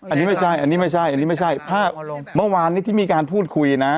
อันนี้ไม่ใช่อันนี้ไม่ใช่อันนี้ไม่ใช่ภาพเมื่อวานนี้ที่มีการพูดคุยนะ